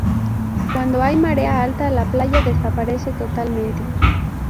Cuando hay marea alta la playa desaparece totalmente.